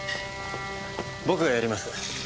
僕がやります。